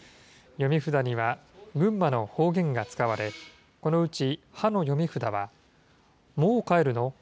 読み札には群馬の方言が使われ、このうち、はの読み札は、もう帰るの？